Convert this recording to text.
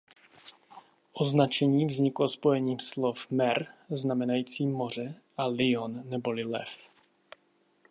Označení vzniklo spojením slov "mer" znamenající moře a "lion" neboli lev.